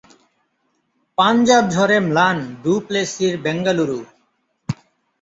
পাঞ্জাব–ঝড়ে ম্লান ডু প্লেসির বেঙ্গালুরু